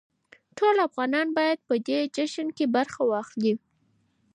ټول افغانان بايد په دې جشن کې برخه واخلي.